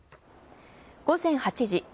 午前８時。